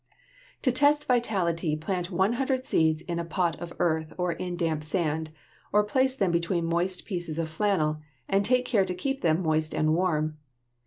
To test vitality plant one hundred seeds in a pot of earth or in damp sand, or place them between moist pieces of flannel, and take care to keep them moist and warm.